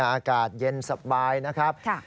อากาศเย็นสบายนะครับ